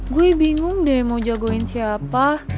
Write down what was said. gue bingung deh mau jagoin siapa